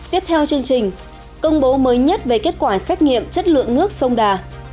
tiếp theo chương trình công bố mới nhất về kết quả xét nghiệm chất lượng nước sông đà